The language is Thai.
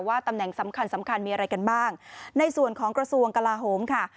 ตำแหน่งสำคัญสำคัญมีอะไรกันบ้างในส่วนของกระทรวงกลาโหมค่ะ